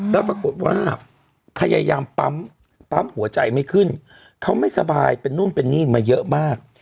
แล้วปรากฏว่าพยายามปั๊มปั๊มหัวใจไม่ขึ้นเขาไม่สบายเป็นนู่นเป็นนี่มาเยอะมาก